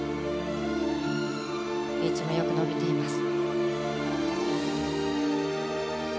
エッジもよく伸びています。